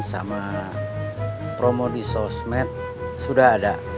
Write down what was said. sama promo di sosmed sudah ada